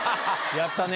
やったね。